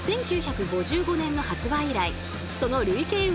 １９５５年の発売以来その累計